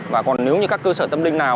và còn nếu như các cơ sở tâm linh nào